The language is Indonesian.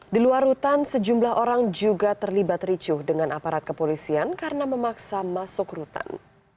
di luar rutan sejumlah orang juga terlibat ricuh dengan aparat kepolisian karena memaksa masuk rutan